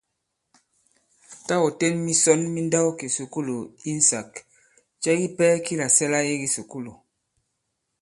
Tâ ɔ̀ ten misɔn mi nndawkìsùkulù insāk, cɛ kipɛ ki làsɛ̀la i kisùkulù ?